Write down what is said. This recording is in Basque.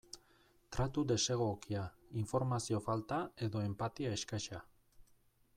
Tratu desegokia, informazio falta edo enpatia eskasa.